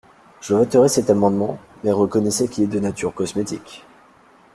Je voterai cet amendement, mais reconnaissez qu’il est de nature cosmétique.